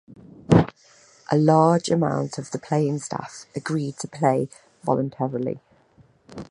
A large amount of the playing staff agreed to play voluntarily.